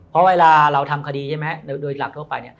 เพราะเวลาเราทำคดีใช่ไหมโดยหลักทั่วไป